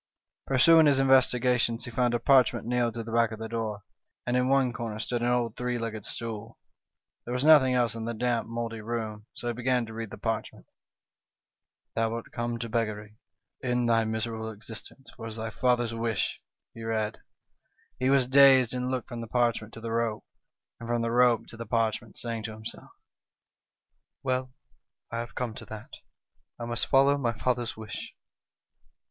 Pursuing his investi gations, he found a parchment nailed to the back of the door, and in one corner stood an old three legged stool. There was nothing else in the damp, mouldy room, so he began to read the parchment. "' Thou art come to beggary ; end thy miserable existence, for it is thy father's wish,' he read. " He was dazed, and looked from the parchment to the rope, and from the rope to the parchment, saying to himself : 'Well, I have come to that, I must follow my father's wish.'